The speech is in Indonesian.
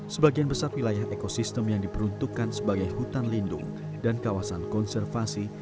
sebagian besar wilayah ekosistem yang diperuntukkan sebagai hutan lindung dan kawasan konservasi